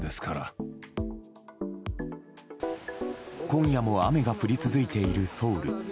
今夜も雨が降り続いているソウル。